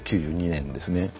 １９９２年ですね。